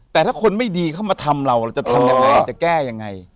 แต่ถ้าคนไม่ดีเข้ามาทำเราเราจะทำยังไงจะแก้ยังไง